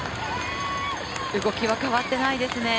動きは変わってないですね。